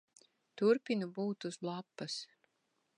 Turpinu būt uz lapas.